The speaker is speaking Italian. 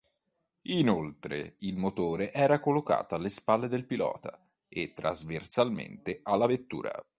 Inoltre, il motore era collocato alle spalle del pilota e trasversalmente alla vettura.